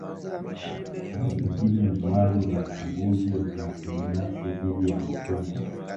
Mfano mwingine ni wazo la chaguzi za kibinafsi dhidi ya mfumo